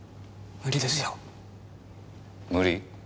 無理？